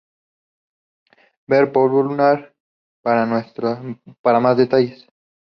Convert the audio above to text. Ver "Polvo lunar" para más detalles.